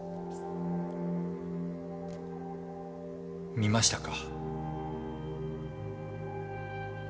見ましたか？